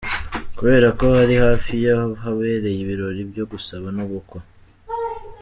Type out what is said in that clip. kubera ko ari hafi y’ahabereye ibirori byo gusaba no gukwa